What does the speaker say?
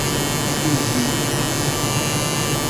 Főbb díjak